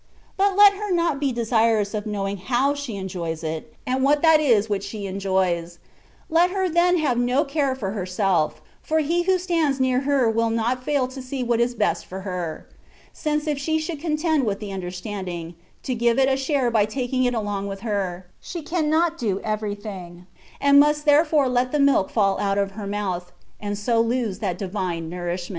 But let her not be desirous of knowing how she enjoys it, and what that is which she enjoys ; let her then have no care for herself, for He who stands near her will not fail to see what is best for her; since if she should contend with the understanding, to give it a share by taking it along with her, she cannot do everything, and must therefore let the milk fall out of her mouth, and so lose that divine nourishment.